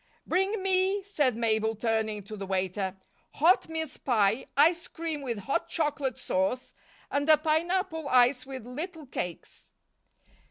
"Bring me," said Mabel, turning to the waiter, "hot mince pie, ice cream with hot chocolate sauce and a pineapple ice with little cakes."